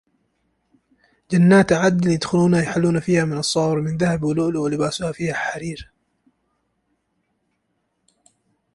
جَنّاتُ عَدنٍ يَدخُلونَها يُحَلَّونَ فيها مِن أَساوِرَ مِن ذَهَبٍ وَلُؤلُؤًا وَلِباسُهُم فيها حَريرٌ